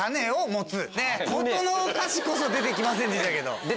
元の歌詞こそ出てきませんでしたけど。